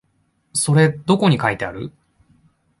それどこに書いてある？